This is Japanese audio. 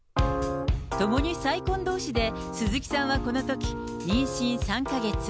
ともに再婚どうしで、鈴木さんはこのとき妊娠３か月。